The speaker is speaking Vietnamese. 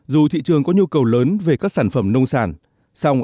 dù thị trường có nhu cầu lớn về các sản phẩm nông sản